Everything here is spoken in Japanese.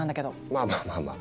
まあまあまあまあ。